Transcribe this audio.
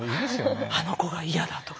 あの子が嫌いとか。